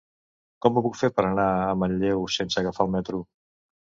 Com ho puc fer per anar a Manlleu sense agafar el metro?